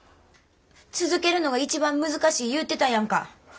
続けるのが一番難しい言うてたやんか。